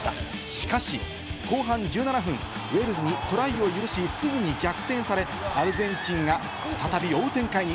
しかし後半１７分、ウェールズにトライを許し、すでに逆転され、アルゼンチンが再び追う展開に。